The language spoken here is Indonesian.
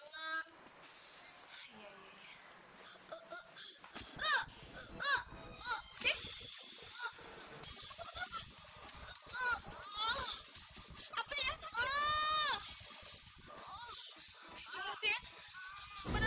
kamu tunggu di sini dulu ya